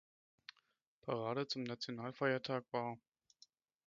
Parade zum Nationalfeiertag war.